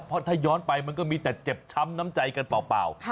เพราะถ้าย้อนไปมันก็มีแต่เจ็บช้ำน้ำใจกันเปล่า